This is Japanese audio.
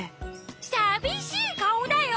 さびしいかおだよ！